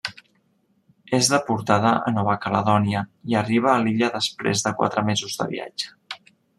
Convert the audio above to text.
És deportada a Nova Caledònia i arriba a l'illa després de quatre mesos de viatge.